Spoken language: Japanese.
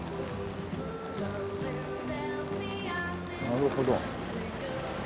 なるほど。